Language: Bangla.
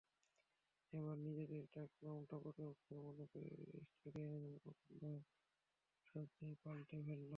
এবার নিজেদের ডাকনামটা প্রতিপক্ষদের মনে করিয়ে দিতে স্টেডিয়ামের অন্দরসজ্জাই পালটে ফেলল।